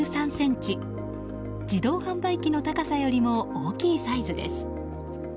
自動販売機の高さよりも大きいサイズです。